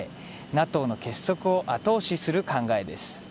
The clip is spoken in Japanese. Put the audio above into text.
ＮＡＴＯの結束を後押しする考えです。